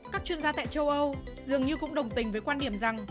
các chuyên gia tại châu âu dường như cũng đồng tình với quan điểm rằng